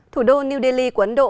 thủ đô new delhi của ấn độ